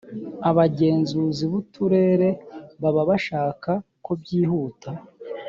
abagenzuzi b uturere baba bashaka ko byihuta